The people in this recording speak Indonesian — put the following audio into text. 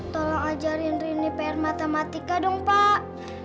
tolong ajarin rini pr matematika dong pak